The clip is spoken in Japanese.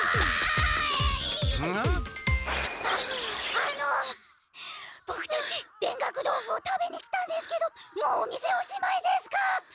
あのボクたち田楽豆腐を食べに来たんですけどもうお店おしまいですか？